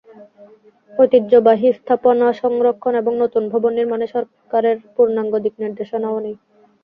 ঐতিহ্যবাহী স্থাপনা সংরক্ষণ এবং নতুন ভবন নির্মাণে সরকারের পূর্ণাঙ্গ দিকনির্দেশনাও নেই।